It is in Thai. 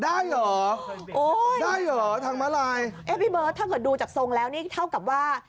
ได้เหรอโอ้ยได้เหรอทางมาลายเอ๊ะพี่เบิร์ตถ้าเกิดดูจากทรงแล้วนี่เท่ากับว่า